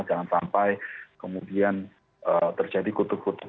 jangan sampai kemudian terjadi kutuk kutuk